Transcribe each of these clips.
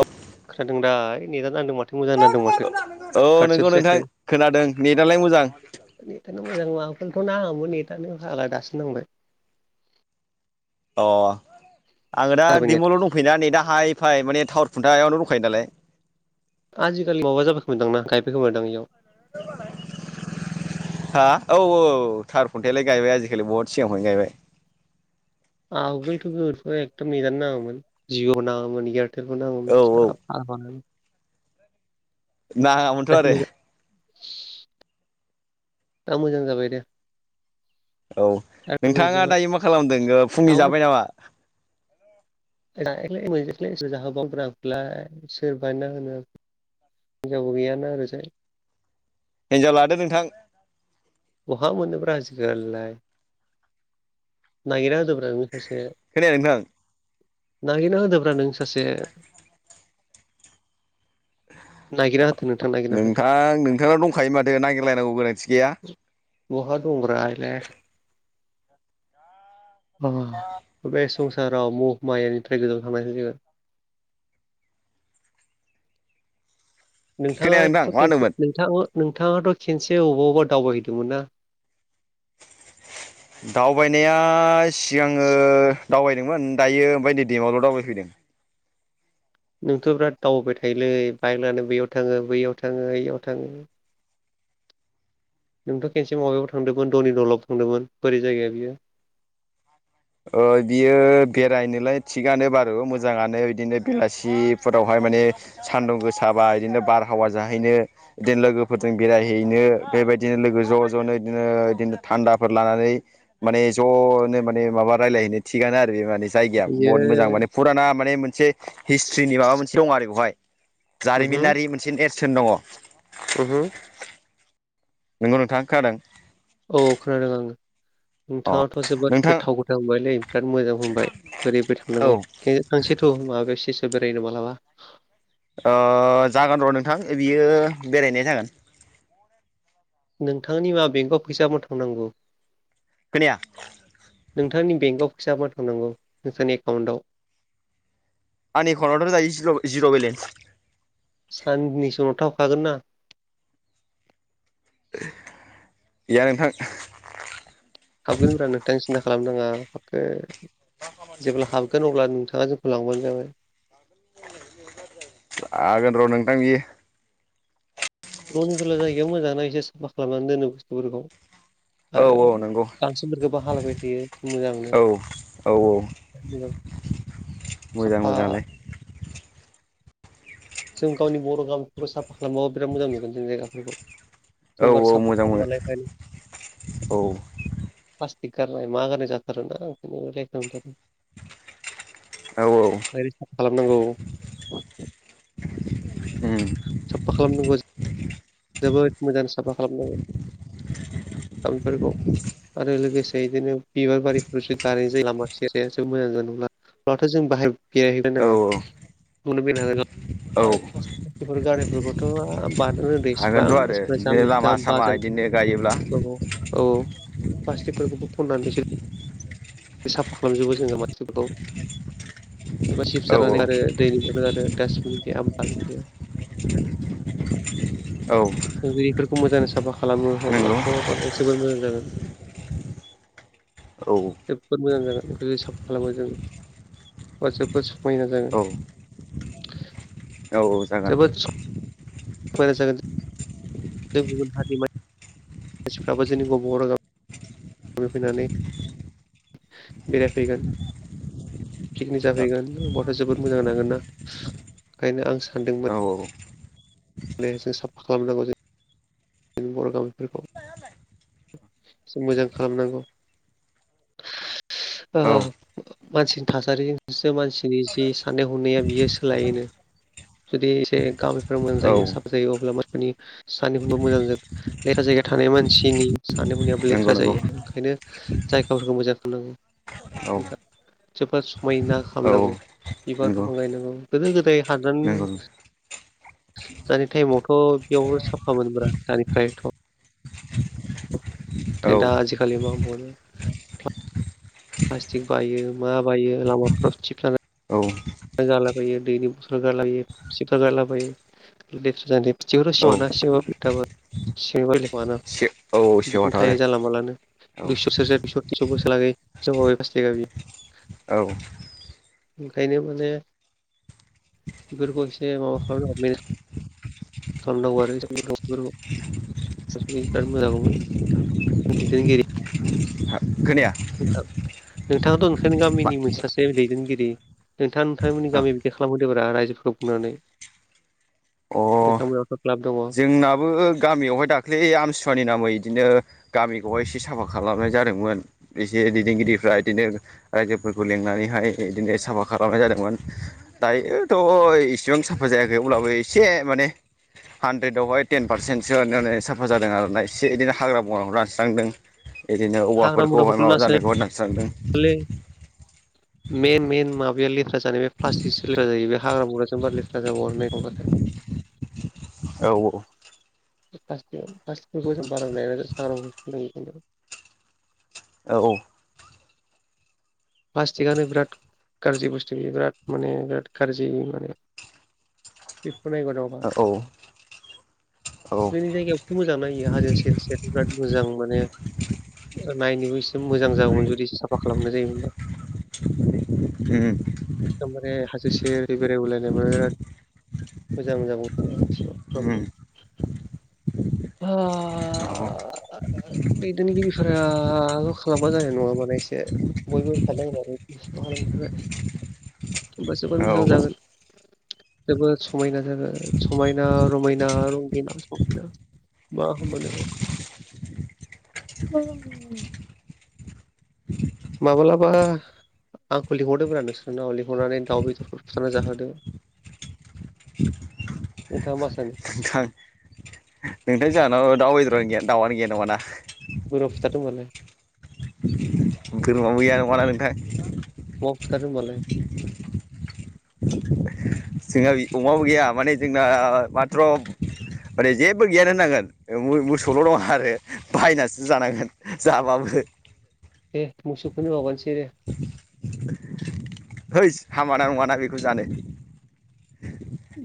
Of खोनादों दा नेटा नांदों माथो मोजां नांदों माथो औ काटसो नोंगौ नोंथां जायाखै खोनादों नेटालाय मोजां नेटआनो मोजां माबाथ' नाङामोन नेटआनो फागला दासो नांबाय अ आङो दा जाबाय नेट डिमुलनाव दंफैयो ना नै दा नेटा हाय फाइ माने टावार खुन्थायावनो दंखायो नालाय आजिखालि माबा जाबायखोमा दांना गायबायखोमा दांं इयाव [inaudible] हा औ औ थावार खुन्थालाय गायबाय आजिखालि बहुत सिगांफ्रायनो गायबाय आगोलथ' गोथ एकथम नेटानो नाङामोन जिअ' नाङामोन एयार [unintelligible] बेखौ नांगौ औ औ [unintelligible] [unintelligible] [unintelligible] औ मोजां जाबाय दे औ आरो मोजां नोंथाङा जाबाय दायो मा खालामदों फुंनि जाबाय नामा एख्लाय मोनेख्लाय जाहोबावग्रा आंलाय सोरबाना होनो हिनजावबो गैयाना ओरजाय हिनजाव लादो नोंथां बहा मोनोब्रा आजिखालिलाय नागिरना होदोब्रा नों सासे खोनाया नोंथां नागिरना होदोब्रा नों सासे नागिरना होदो नोंथां नागिरना होदो नोंथां नोंथांनाव दंखायो माथो नागिरलायनांगौ गोनांथि गैया बहा दंब्रा इलाय बे संसाराव मुहुमायानिफ्राय गोजौआव थांनायसिगोन खोनाया नोंथां नोंथाङाथ' मा खिनसे होनदोंमोन नोंथाङा नोंथाङाथ' खेनसे अबावबा दावबायहैदोंमोन ना दावबायनाया सिगाङो दावबायदोंमोन दायो ओमफफ्राय नै देमावल' दावबायफैदों नोंथ' बिराद दावबाय थायोलै बाइक लानो बैयाव थाङो बैयाव थाङो बयाव थाङो नोंथ' खेनसे माबायाव थांदोंमोन धनि दलाव थांदोंमोन बोरै जायगाया बियो ओ बियो बेरायनोलाय थिगानो बारु मोजाङानो बिदिनो बेलासिफोरावहाय माने सान्दुं गोसाबा इदिनो बारहावा जाहैनो बिदिनो लोगोफोरजों बेरायहैनो बेबायदिनो लोगो ज' ज'नो इदिनो इदिनो थान्दाफोर लानानै माने ज'नो माने माबा रायलायहैनो थिगानो आरो बे माने जायगाया बियो बहुत मोजां माने फुराना माने मोनसे हिस्ट्रिनि माबा मोनसे दं आरो बेहाय जारिमिनारि मोनसे नेरसोन दङ ओहोम नोंगौ नोंथाङा खोनादों औ खोनादों आङो अ नोंथाङाथ' जोबोद नोंथां गोथाव गोथाव होनबायलै बिराद मोजां होनबाय बोरैबो औ थांनांगौ थांसेथौ माबायावसेसो बेरायनो मालाबा आं जागोन र' नोंथां बियो बेरायनाय जागोन नोंथांनि मा बेंकआव फैसा मोथांनांगौ खोनाया नोंथांनि बेंकआव फैसा माथावनांगौ नोंथांनि एकाउन्टाव आंनिएकानावथ' दायो जिर' जिर' बेलेन्स साननि सम उनाव थावखागोन ना गैया नोंथां हाबगोन ब्रा नोंथां सिन्था खालामनाङा हाबो जेब्ला हाबगोन अब्ला नोंथाङा जों होलांबानो जाबाय आगोन र' नोंथां बियो न'निफोर जायगायाव मोजाङा एसे साफा खालामनानै दोनो बुस्थुफोरखौ औ औ आरो नंगौ गांसोफोरखौबो हालायबाय थायो मोजांनो औ औ [unintelligible] मोजां साफा मोजाङालाय जों गावनि बर' गामिखौ साफा खालामबाबो बिराद मोजां नुगोन जों जायगाफोरखौ औ जों बारा साफा मोजां मोनो खालामना लायै खायनो औ प्लास्टिक गारनाय मा गारनाय जाथारो ना ओंखायनो लेथ्रा नुथारो औ-औ ओंखायनो साफा खालामनांगौ उम साफा खालामनांगौ जोबोद मोजां साफा खालामनांगौ गामिफोरखौ आरो लोगोसे बिदिनो बिबार बारिफोरसो गारनाय जायो लामा सेरायासो मोजां जानाय नंला माथो जों बाहाय बेरायहैनो औ नाङा बेनो बेनो ह औ आरो प्लाटिफोर गारिफोरखौथ' बादानो होदो एसे हागोनथ' गोबां आरो मानसिफ्रा जाम बिदिनो लामा जामबा सामा जा बिदिनो गायोब्ला औ प्लासटिफोरखौबो खननानैसै बे साफा खालामजोबो जोङो मानसिफोरखौ सोरबा सिब औ औ जानानै आरो दैनि आरो दासबिन गैया आमबाल गैया औ जुदि बेफोरखौ मोजाङै साफा खालामो नंगौ अब्लाथ' माने जोबोर मोजां जागोन औ जोबोद मोजां जागोन बेखौ हिसाब खालामो जोङो बा जोबोद समायना औ जागोन औ-औ जागोन मोजां जागोन जों गुबुन हारि मानसिफ्राबो जों गबाव राग थै फैनानै बेरायफैगोन पिकनिक जाफैगोन होनबथ' जोबोद मोजां नांगोन ना ओंखायनो आं सानदोंमोन औ मे जों साफा खालामनांगौ जों जनि बर' गामिफोरखौ मोजां खालामनांगौ [inaudible] औ मानसिनि थासारिजोंसो मानसिनि जि साननाय हनाया बियो सोलायोनो जुदि एसे गामिफोर औ मोनजायो साफा जायो अब्ला सानि मोजां ज लेह्रा जायगायाव थानाय मानसिनि साननाय हनायाबो नंगौ लेह्रा नंगौ जायो ओंखायनो जायगाफोरखौ मोजां खामनांगौ औ जोबोद समायना औ खालामनांगौ बिबार नंगौ बिफां गायनांगौ गोदो गोदाय हादाननि नंगौ दानि टाइमावथ' बेयाव साफाम मोनब्रा दानिफ्रायथ' औ दा आजिखालि मा बुंनो प्लास्टिक बायो मा बायो लामाफ्राव थिब औ गलाबायो दैनि बोथोर गारलाबायो खसिखा गारलाबायो जबो औ साना सिाबो सि लफाना [unintelligible] से औ बिथिं सेवाथ' आरो थायो जाानला मालानो औ दुइस' सेरसेा दुइस' तिनस' बोसाोरलागै जोंबावै फास थगा बियो औ ओंखायनो मा म बेफोरखौ एसे माबा खालामनो हरबाय मेनेज [unintelligible] बिराद मोजां गौमोन दैदेनगिरि खोनाया नोंथां नोंथाङाथ' ओंखायनो मा गामिनि मोनसे सासे दैदेनगिरि नोंथां नोंथांमोननि ओ गामियाव बिदि खालामहदों रायजोफोरखौ बुंनानै अ दतमायावथ' क्लाब दङ। जोंनाबो गामियावहाय दाख्लै आमसुवानि नामै बिदिनो गामिखौहाय एसे साफा खालामनाय जादोंमोन एसे दैदेनगिरिफ्रा बिदिनो रायजोफोरखौ लिंनानैहाय बिदिनो साफा खालामनाय जादोंमोन दायोथ' इसेबां साफा जायाखै अब्लाबो एसे माने हानद्रेदावहाय टेन पारसेन्टसो सोयानो साफा जादों आरोना इसे बिदिनो हाग्रा बंग्राखौहाय दानस्रांदों। बिदिनो हाग्रा औवाफोरखौहाय बंग्राफोरखौ माबा नासोलै जानायखौ होननांसिगोन नोंथां। [inaudible] मेइन मइन माबाया लेथ्रा जानाय बे प्लास्टिकसो लेथ्रा जायो बे हाग्रा बुग्राजोंबा लेथ्रा जाबाव नायखबथाय। औ फासखौ फासखौ जों बारा लाया [unintelligible] औ औ प्लास्टिकनो बिराद गाज्रि बुस्थु बियो बिराद माने बिराद गाज्रि माने औ [unintelligible] औ जोंनि जायगायावथ' मोजां नायो हाजो सेर सेर बिराद मोजां माने नायनोबो एसे मोजां जागौमोन जुदि साफा खालामनाय जायोमोनबा उम एमारे हासिसेरै बेरायबोलायनायबो बिराद मोजां मोजां मोनो उम नंगौ दैदेनगिरिफोराल' खालामबा जानाय नङाबालाय एसे बयबोखादों आरो खालामनि थाखाय होनबा जोबोर औ मोजां जागोन। जोबोद समायना जागोन समायना रमायना रगिना समायना मा होनो नोङो माब्लाबा आंखौ लिंहरदोंब्रा नोंसोरनाव लिंहरनानै दाउ बेदरफोर फुथारना जाहोदो नोंथांङा माा सानो? नोंथां नोंथां जोंहानाव दाउ बेदरानो गैया दाउआनो गैया नंङाना। बोरमा बुथारदो होनबालाय। बोरमाबो गैया नंङाला नोंथां अमा बुथारदो होनबालाय। जोंहा अमाबो गैया माने जोंना माथ्र' माने जेबो गियान होनांगोन मोसौल' दंङो आरो। बाहायनासो जानांगोन जाबाबो। दे मोसौखौनो मावाबानोसै दे। है हामाना नंङाना बेखौ जानो।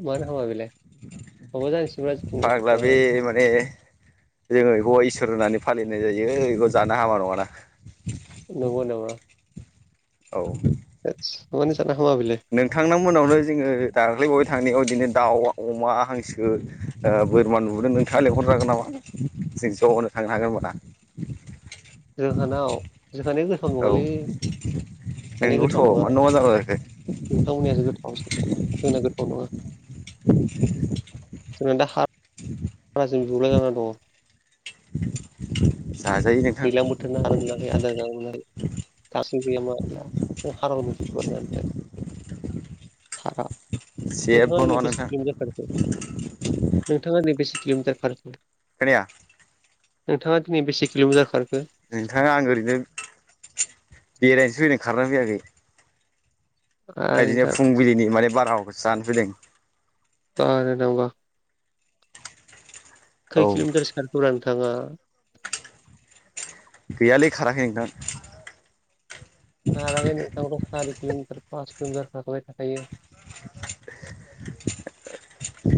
मानो हामा बेलाय माबा जानोसै फाग्ला बे माने जोंङो बेखौ इसोर होननानै फालिनाय जायो बेखौ जानो हामा नंङाना नगौ नामा। औ होदथस‌ मानो जानो हामा बेलाय नोंथांनाव मोननावनो जोंङो दाखोलै बावै थांनायाव बिदिनो दाउ अमा हांसो बोरमा नुबोदों नोंथांङा लेंहरन जागोन नामा जों ज' होनो थांनो हागोन होनबाना जोंहानाय औ नंगौथ मा नंङा जाला बायगोन। थावनियासो गोथाव जोंना गोथाव नंङा [inaudible] जोंना दा ह हाराजों बुलाय जानानै दंङो जायो [unintelligible] दैलां बोथोरना [unintelligible] आदार जागोनालाय गासै गैया मस्ला [unintelligible] [unintelligible] जेबो नङा नोंथां [unintelligible] नोंथांङा नैबेसे किल'मिटार खारखो खोनाया नोंथाङा दिनै बेसे किल'मिटार खारखो नोंथां आं ओरैनोसो बेरायनोसै फैदों खारनो फैयाखै आ ओदिनो नोंथां फुंबिलिनि माने बारहावाखौ जानो फैदों [unintelligible] औ खै किल'मिटार सारखौ रा नोंथाङा गैयालै खाराखै नोंथां खाराखै नोंथांआथ सारि किल'मिटार पास किल'मिटार थाखाबाय थाखायो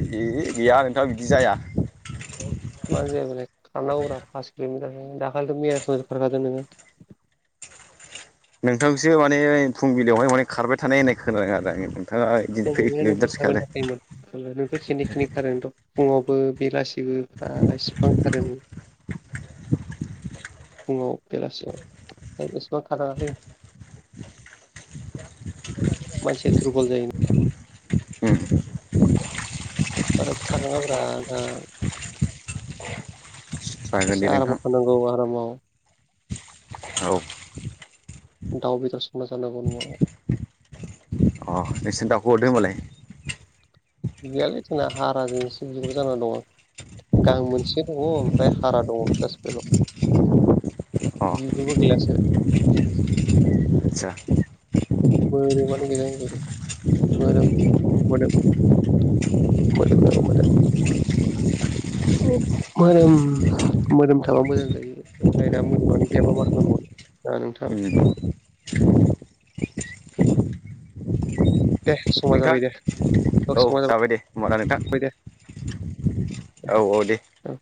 ए गैया नोंथां बिदि जाया मानो जाय बेले खारनांगौरा पास किल'मिटार दाखालिथ' मेरया खारखादों नोङो नोंथांखौसो माने फुंबिलियावहाय माने खारबाय थानाय होननाय खोनाङा आरो आङो नोंथाङा बिदि कै बबेनिया नोंखौ किलमिटारसो खारबाय खारो थाखायोमोन नोंथ खेनै खेनै खारो नोंथ' फुङावबो बेलासियावबो साला इसिबां खारो फुङाव बेलासियाव [unintelligible] मानसिया दुरबल जायो उम बाराद्राय खारनाङा ब्रा नोंथां जागोन एसे दे नोंथां आरामाव थानांगौ औ आरामाव औ दाउ बेदर संना जानांगौ न' आव अह नोंसोर दाउखौ हरदो होनबालाय गैयालै जोंना हाराजों एसे बिग्र जानानानै दङ गां मोनसे दङ ओमफ्राय हारा दङ जास बेल' अ [unintelligible] आतसा मोर ब ग द मोरोम मोरोम [unintelligible] ओं मोदोम मोदोम थाबा मोजां जायो नाथाय दा मोदोमानो गैयाबा मा खालामबावनो दा नोंथां उम दे समा नोंथां जाबाय दे औ जाबाय दे होमबा दा नोंथां दे औ-औ दे औ